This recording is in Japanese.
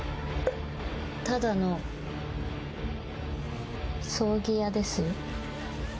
ただの葬儀屋ですよ。